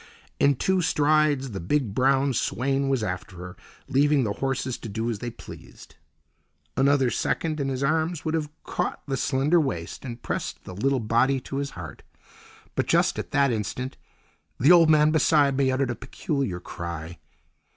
In two strides the big, brown swain was after her, leaving the horses to do as they pleased. Another second and his arms would have caught the slender waist and pressed the little body to his heart. But, just at that instant, the old man beside me uttered a peculiar cry.